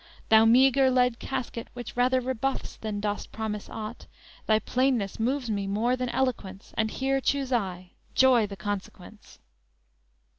Thou meagre lead casket, Which rather rebuffs than dost promise aught, Thy plainness moves me more than eloquence, And here choose I; joy the consequence!"